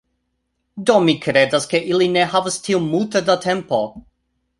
Do, mi kredas, ke ili ne havas tiom multe da tempo